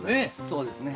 そうですね。